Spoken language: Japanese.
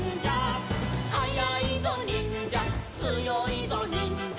「はやいぞにんじゃつよいぞにんじゃ」